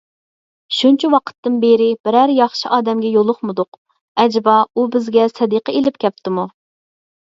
شۇنچە ۋاقىتتىن بېرى بىرەر ياخشى ئادەمگە يولۇقمىدۇق، ئەجەبا ئۇ بىزگە سەدىقە ئېلىپ كەپتۇمۇ؟